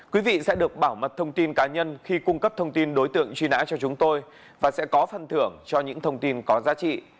quý vị sẽ được bảo mật thông tin cá nhân khi cung cấp thông tin đối tượng truy nã cho chúng tôi và sẽ có phần thưởng cho những thông tin có giá trị